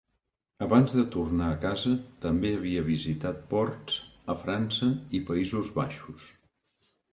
Abans de tornar a casa, també havia visitat ports a França i Països Baixos.